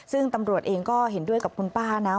ซึ่งตำรวจเองก็เห็นด้วยกับคุณป้านะ